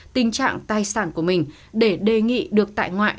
tình trạng tài sản của mình để đề nghị được tại ngoại